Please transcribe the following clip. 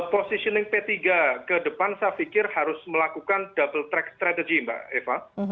positioning p tiga ke depan saya pikir harus melakukan double track strategy mbak eva